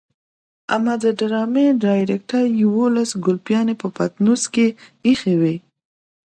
اما د ډرامې ډايرکټر يوولس ګلپيانې په پټنوس کې ايښې وي.